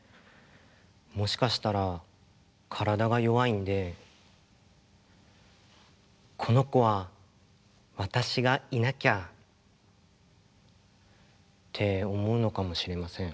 もしかしたら体が弱いんで「この子は私がいなきゃ」って思うのかもしれません。